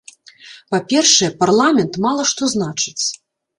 Па-першае, парламент мала што значыць.